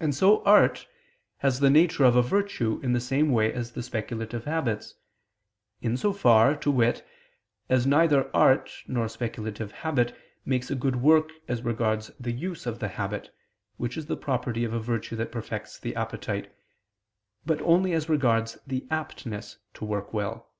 And so art has the nature of a virtue in the same way as the speculative habits, in so far, to wit, as neither art nor speculative habit makes a good work as regards the use of the habit, which is the property of a virtue that perfects the appetite, but only as regards the aptness to work well.